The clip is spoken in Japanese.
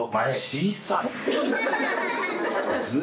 小さい！